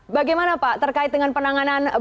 bagaimana pak terkait dengan penanganan